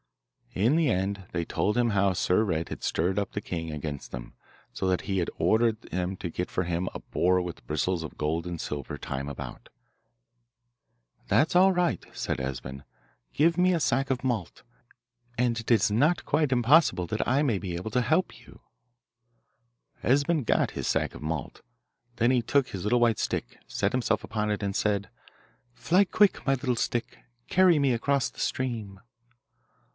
In the end they told him how Sir Red had stirred up the king against them, so that he had ordered them to get for him a boar with bristles of gold and silver time about. 'That's all right,' said Esben; 'give me a sack of malt, and it is not quite impossible that I may be able to help you.' Esben got his sack of malt; then he took his little white stick, set himself upon it, and said, Fly quick, my little stick, Carry me across the stream.